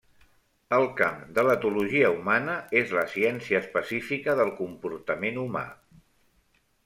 El camp de l'etologia humana és la ciència específica del comportament humà.